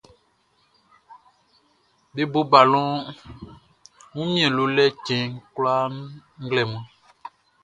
Be bo balɔn Wunmiɛn-lolɛ-cɛn kwlaa nglɛmun.